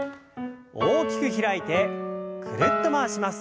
大きく開いてぐるっと回します。